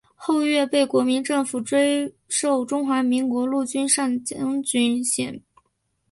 后岳被国民政府追授中华民国陆军上将军衔。